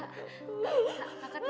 kak kakak terserah